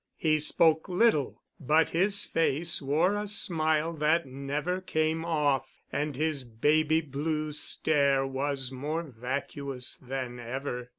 He spoke little, but his face wore a smile that never came off, and his baby blue stare was more vacuous than ever.